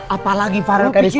apalagi fara kakak disitu